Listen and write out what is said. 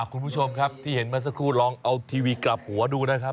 คุณผู้ชมครับที่เห็นเมื่อสักครู่ลองเอาทีวีกลับหัวดูนะครับ